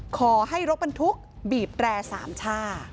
ขอให้รถบรรทุกบีบแตรสามช่า